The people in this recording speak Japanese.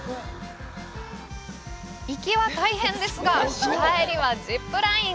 行きは大変ですが帰りはジップライン。